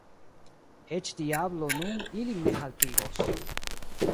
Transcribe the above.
Eĉ diablo nun ilin ne haltigos.